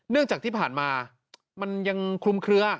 จากที่ผ่านมามันยังคลุมเคลือ